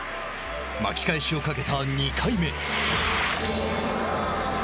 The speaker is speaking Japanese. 巻き返しをかけた２回目。